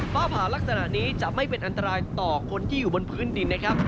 ฟ้าผ่าลักษณะนี้จะไม่เป็นอันตรายต่อคนที่อยู่บนพื้นดินนะครับ